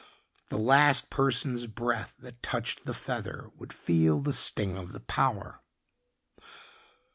The last person's breath that touched the feather would feel the sting of the power.